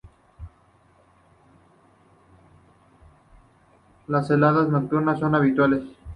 Las heladas nocturnas son habituales.